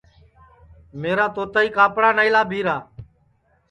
میرا توتائی کاپڑا نائی لابھی را